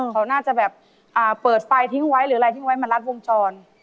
เขาน่าจะแบบเปิดไฟทิ้งไว้หรืออะไรทิ้งไว้มารัดวงจร